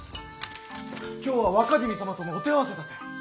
今日は若君様とのお手合わせだて！